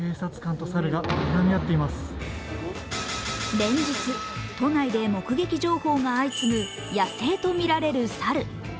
連日、都内で目撃情報が相次ぐ、野生とみられる猿。